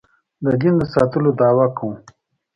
د دین د ساتلو دعوه کوو.